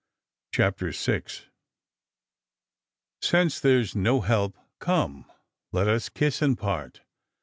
CHAPTER VI. Since there's no help, come, let ua kiss acd part *.